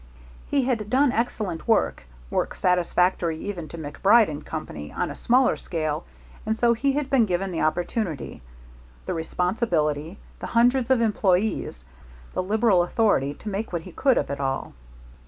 He had done excellent work work satisfactory even to MacBride & Company on a smaller scale, and so he had been given the opportunity, the responsibility, the hundreds of employees, the liberal authority, to make what he could of it all.